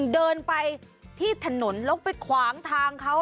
เดินไปที่ถนนแล้วไปขวางทางเขา